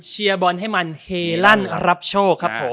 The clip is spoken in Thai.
เชียร์บอลให้มันเฮลั่นรับโชค